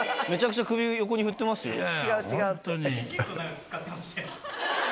めちゃくちゃ首、横に振ってますよ。